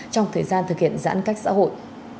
trong thời gian thực hiện giãn cách xã hội